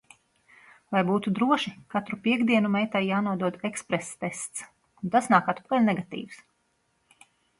Lai būtu droši, katru piektdienu meitai jānodod eksprestests, un tas nāk atpakaļ negatīvs!